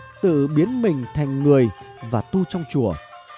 nên naga tự biến mình thành người và tu trong chùa